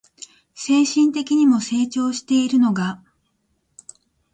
精神的にも成長しているのが